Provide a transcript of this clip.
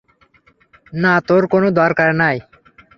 না, তার কোনো দরকার নাই।